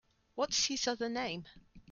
What’s his other name?